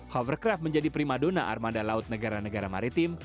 hovercraft menjadi primadona armada laut negara negara maritim